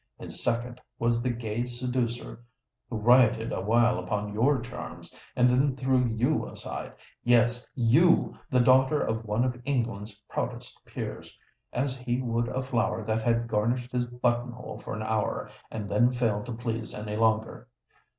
His second was the gay seducer who rioted awhile upon your charms, and then threw you aside,—yes, you—the daughter of one of England's proudest peers—as he would a flower that had garnished his button hole for an hour, and then failed to please any longer.